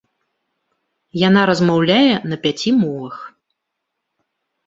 Яна размаўляе на пяці мовах.